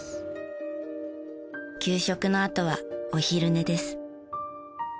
給食のあとはお昼寝です。